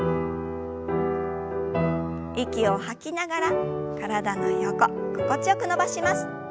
息を吐きながら体の横心地よく伸ばします。